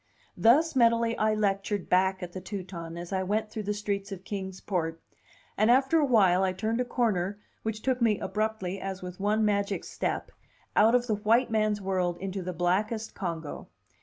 Thus mentally I lectured back at the Teuton as I went through the streets of Kings Port; and after a while I turned a corner which took me abruptly, as with one magic step, out of the white man's world into the blackest Congo.